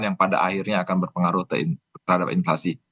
yang pada akhirnya akan berpengaruh terhadap inflasi